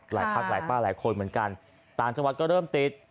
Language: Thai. พักหลายป้าหลายคนเหมือนกันต่างจังหวัดก็เริ่มติด